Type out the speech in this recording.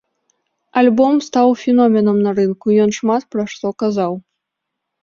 Альбом стаў феноменам на рынку, ён шмат пра што казаў.